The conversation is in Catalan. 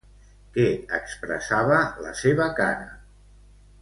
Què expressava la seva cara?